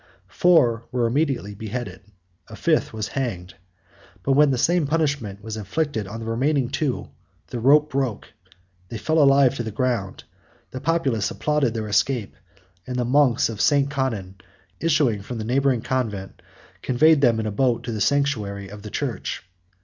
Four were immediately beheaded; a fifth was hanged: but when the same punishment was inflicted on the remaining two, the rope broke, they fell alive to the ground, the populace applauded their escape, and the monks of St. Conon, issuing from the neighboring convent, conveyed them in a boat to the sanctuary of the church.